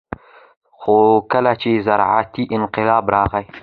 خو کله چې زراعتي انقلاب راغى